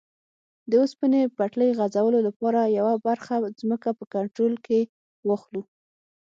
د اوسپنې پټلۍ غځولو لپاره یوه برخه ځمکه په کنټرول کې واخلو.